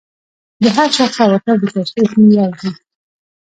د هر شخص عواطف د تشخیص معیار دي.